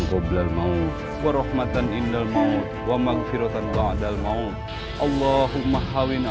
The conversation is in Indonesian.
koblad mau berhormatan indah mau wama gifirotan ba'adal mau allahumma hawin